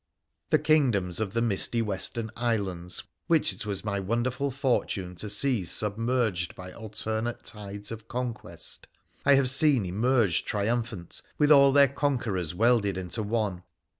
The kingdoms of the misty western islands which it was my wonderful fortune to see submerged by alternate tides of conquest, I have seen emerge triumphant, with all their conquerors welded into one.